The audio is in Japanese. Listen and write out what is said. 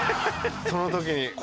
その時に。